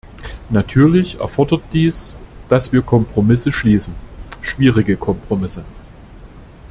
Natürlich erfordert dies, dass wir Kompromisse schließen, schwierige Kompromisse.